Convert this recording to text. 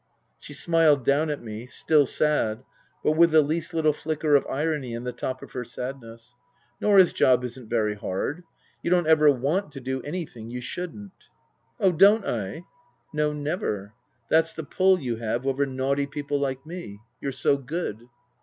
She smiled down at me, still sad, but with the least little flicker of irony on the top of her sadness. " Norah 's job isn't very hard. You don't ever want to do anything you shouldn't." " Oh don't I ?"" No, never. That's the pull you have over naughty people like me. You're so good."